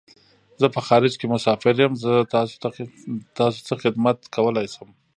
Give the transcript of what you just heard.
زه په خارج کی مسافر یم . زه تاسو څه خدمت کولای شم